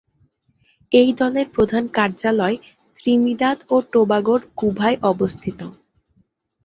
এই দলের প্রধান কার্যালয় ত্রিনিদাদ ও টোবাগোর কুভায় অবস্থিত।